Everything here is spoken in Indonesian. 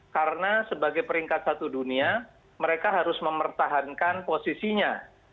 karena sebagai peringkat satu dunia mereka harus mempertahankan posisinya